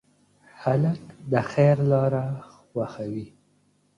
هلک د خیر لاره خوښوي.